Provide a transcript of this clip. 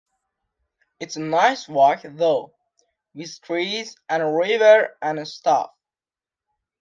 It's a nice walk though, with trees and a river and stuff.